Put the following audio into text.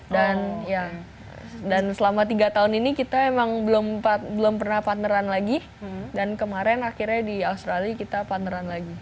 dan ya dan selama tiga tahun ini kita emang belum pernah partneran lagi dan kemarin akhirnya di australia kita partneran lagi